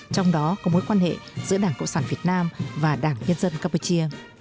trong đó có mối quan hệ giữa đảng cộng sản việt nam và đảng nhân dân campuchia